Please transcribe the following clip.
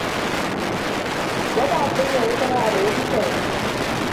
وضعت ليلى يدها على يد سامي.